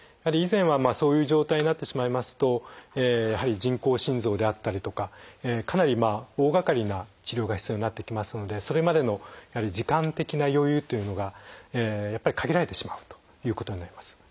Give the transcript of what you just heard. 以前はそういう状態になってしまいますとやはり人工心臓であったりとかかなり大がかりな治療が必要になってきますのでそれまでの時間的な余裕というのがやっぱり限られてしまうということになります。